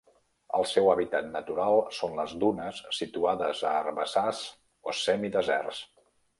El seu hàbitat natural són les dunes situades a herbassars o semideserts.